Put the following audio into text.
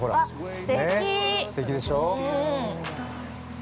◆すてきでしょう。